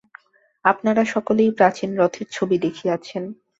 আপনারা সকলেই প্রাচীন রথের ছবি দেখিয়াছেন।